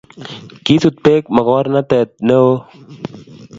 Kisut beek mokornatet neoo.